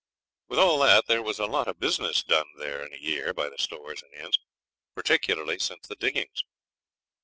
With all that there was a lot of business done there in a year by the stores and inns, particularly since the diggings.